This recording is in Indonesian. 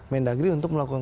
mendagri untuk melakukan